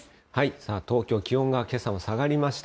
さあ東京、気温がけさも下がりました。